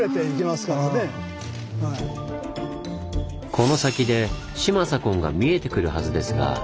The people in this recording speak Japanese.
この先で島左近が見えてくるはずですが。